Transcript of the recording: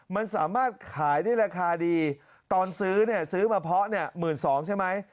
มันสามารถขายได้ราคาดีตอนซื้อเนี่ยซื้อมาเพาะเนี่ย๑๒๐๐ใช่ไหม